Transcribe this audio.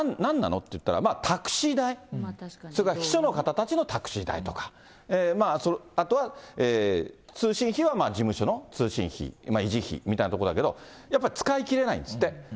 っていったら、まあ、タクシー代、それから秘書の方たちのタクシー代とか、あとは通信費は事務所の通信費、維持費みたいなところだけど、やっぱり使い切れないんですって。